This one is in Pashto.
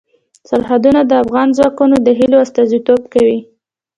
سرحدونه د افغان ځوانانو د هیلو استازیتوب کوي.